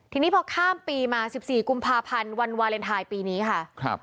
ทีนี้พอข้ามปีมา๑๔กุมภาพันธ์วันวาเลนไทยปีนี้ค่ะ